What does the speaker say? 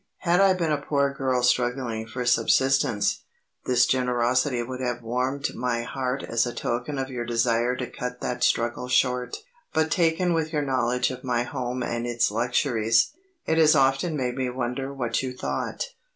Had I been a poor girl struggling for subsistence, this generosity would have warmed my heart as a token of your desire to cut that struggle short. But taken with your knowledge of my home and its luxuries, it has often made me wonder what you thought."